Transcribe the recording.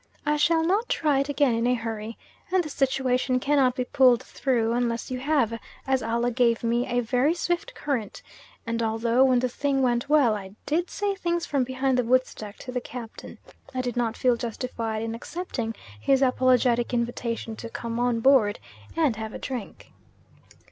I shall not try it again in a hurry, and the situation cannot be pulled through unless you have, as Allah gave me, a very swift current; and although, when the thing went well, I DID say things from behind the woodstack to the captain, I did not feel justified in accepting his apologetic invitation to come on board and have a drink.